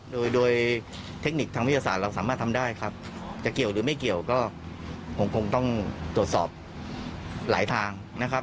โดยโดยเทคนิคทางวิทยาศาสตร์เราสามารถทำได้ครับจะเกี่ยวหรือไม่เกี่ยวก็ผมคงต้องตรวจสอบหลายทางนะครับ